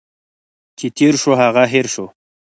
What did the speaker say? چي تیر شو، هغه هٻر شو.